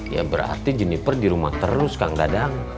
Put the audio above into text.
ya berarti jennifer di rumah terus kang dadang